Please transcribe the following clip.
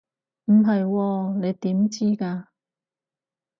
唔係喎，你點知㗎？